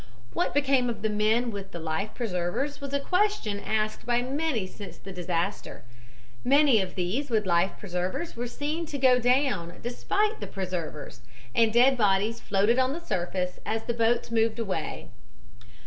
"What became of the men with the life preservers was a question asked by many since the disaster. Many of these with life preservers were seen to go down despite the preservers, and dead bodies floated on the surface as the boats moved away.